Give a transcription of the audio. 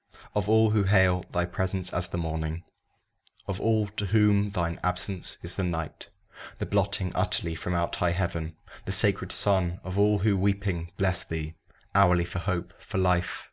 ] Of all who hail thy presence as the morning Of all to whom thine absence is the night The blotting utterly from out high heaven The sacred sun of all who, weeping, bless thee Hourly for hope for life ah!